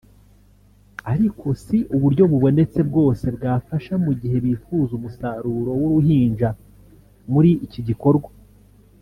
ariko si uburyo bubonetse bwose bwafasha mu gihe bifuza umusaruro w’uruhinja muri iki gikorwa […]